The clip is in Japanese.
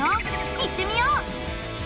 行ってみよう！